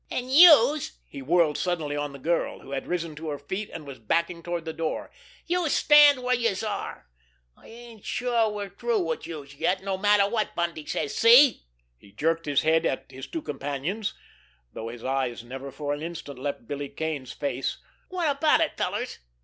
An' youse"—he whirled suddenly on the girl, who had risen to her feet and was backing toward the door—"youse stand where youse are! I ain't sure we are through wid youse yet, no matter wot Bundy says—see?" He jerked his head at his two companions, though his eyes never for an instant left Billy Kane's face. "Wot about it, fellers?